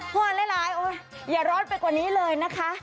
เมื่อวานหลายอย่าร้อนไปกว่านี้เลยนะคะ